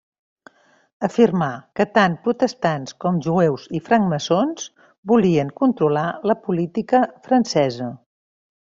Afirmà que tant protestants, com jueus i francmaçons volien controlar la política francesa.